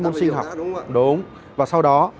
môn sinh học đúng và sau đó